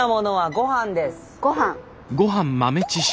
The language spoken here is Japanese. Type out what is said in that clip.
ごはん。